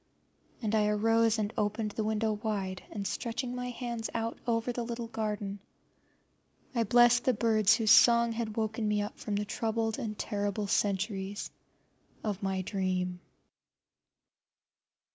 But I arose and opened the window wide, and stretching my hands out over the little garden, I blessed the birds whose song had woken me up from the troubled and terrible centuries of my dream.